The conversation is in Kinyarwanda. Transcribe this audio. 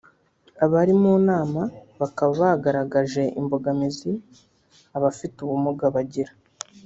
Abari mu nama bakaba bagaragaje imbogamizi abafite ubumuga bagira